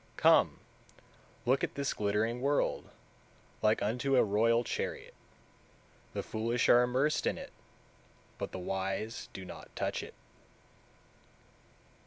171. Come, look at this glittering world, like unto a royal chariot; the foolish are immersed in it, but the wise do not touch it.